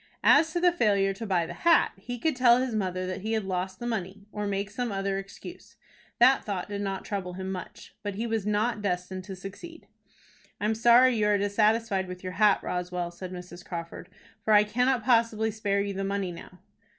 As to the failure to buy the hat, he could tell his mother that he had lost the money, or make some other excuse. That thought did not trouble him much. But he was not destined to succeed. "I am sorry you are dissatisfied with your hat, Roswell," said Mrs. Crawford, "for I cannot possibly spare you the money now."